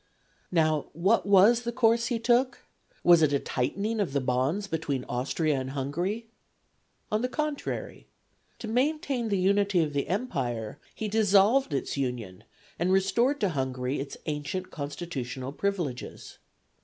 Now, what was the course he took? Was it a tightening of the bonds between Austria and Hungary? On the contrary, to maintain the unity of the empire he dissolved its union and restored to Hungary its ancient constitutional privileges.